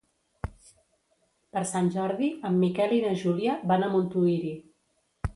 Per Sant Jordi en Miquel i na Júlia van a Montuïri.